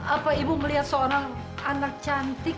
apa ibu melihat seorang anak cantik